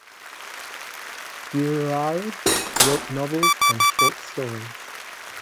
Girouard wrote novels and short stories.